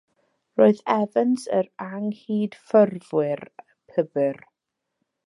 Roedd Evans yn Anghydffurfiwr pybyr.